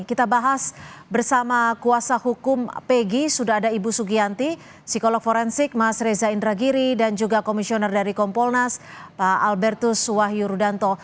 kita bahas bersama kuasa hukum pegi sudah ada ibu sugianti psikolog forensik mas reza indragiri dan juga komisioner dari kompolnas pak albertus wahyu rudanto